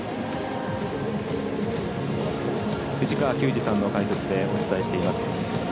藤川球児さんの解説でお伝えしています。